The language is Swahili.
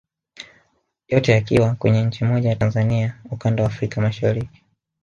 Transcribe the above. Yote yakiwa kwenye nchi moja ya Tanzania ukanda wa Afrika Mashariki